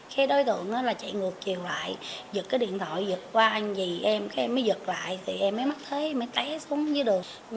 cái đối tượng chạy ngược chiều lại giật cái điện thoại giật qua anh gì em em mới giật lại em mới mất thế em mới té xuống dưới đường